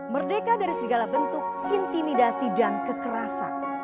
merdeka dari segala bentuk intimidasi dan kekerasan